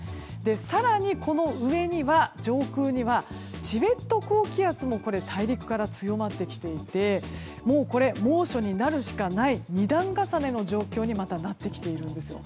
更に、この上の上空にはチベット高気圧が大陸から強まってきていて猛暑になるしかない二段重ねの状況にまた、なってきているんです。